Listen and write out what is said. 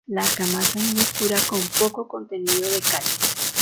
La argamasa es muy oscura, con poco contenido de cal.